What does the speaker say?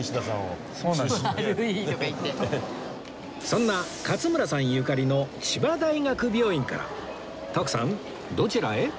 そんな勝村さんゆかりの千葉大学病院から徳さんどちらへ？